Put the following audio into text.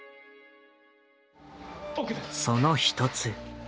その一つ。